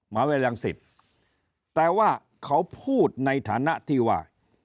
มหาวิทยาลังศิษย์แต่ว่าเขาพูดในฐานะที่ว่า